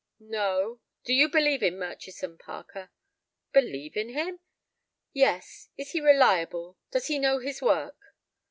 "No. Do you believe in Murchison, Parker?" "Believe in him?" "Yes, is he reliable; does he know his work?"